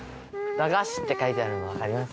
「駄菓子」って書いてあるのわかります？